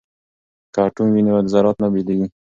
که اټوم وي نو ذرات نه بېلیږي.